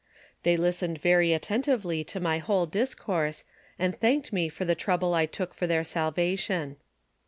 They listened very at tentively to my whole discourse, and thanked me for the trouble I took for thjir salvation.